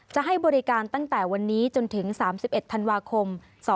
จะให้บริการตั้งแต่วันนี้จนถึง๓๑ธันวาคม๒๕๖๒